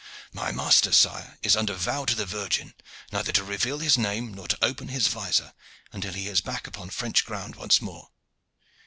"My master, sire, is under vow to the Virgin neither to reveal his name nor to open his vizor until he is back upon French ground once more."